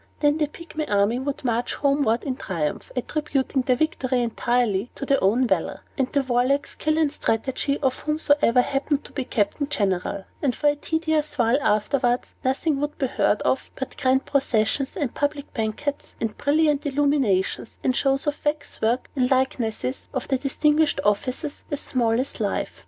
Then the Pygmy army would march homeward in triumph, attributing the victory entirely to their own valor, and to the warlike skill and strategy of whomsoever happened to be captain general; and for a tedious while afterwards, nothing would be heard of but grand processions, and public banquets, and brilliant illuminations, and shows of wax work, with likenesses of the distinguished officers, as small as life.